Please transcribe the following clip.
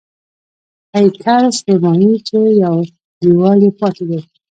هیکل سلیماني چې یو دیوال یې پاتې دی.